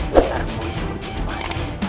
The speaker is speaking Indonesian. bukarmu juga untuk mati